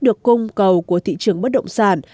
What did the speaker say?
được cung cầu của thị trường bất động sản